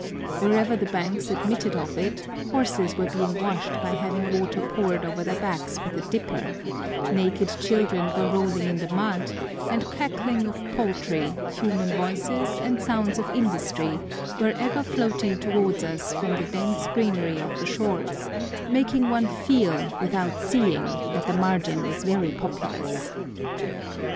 Wherever the banks admitted of it, horses were being washed by having water poured over their backs with a dipper, naked children were rolling in the mud, and cackling of poultry, human voices, and sounds of industry, were ever floating towards us from the dense greenery of the shores, making one feel without seeing that the margin was very populous.